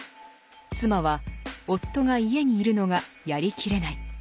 妻は夫が家に居るのがやりきれない。